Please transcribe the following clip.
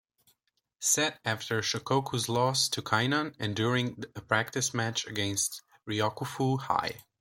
Set after Shohoku's loss to Kainan, and during a practice match against Ryokufu High.